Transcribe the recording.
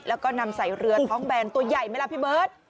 แล้วก็นำใส่เรือท้องแบนตัวใหญ่ไหมล่ะพี่เบิร์ต